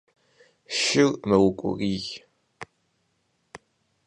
Шыр мэукӀурий…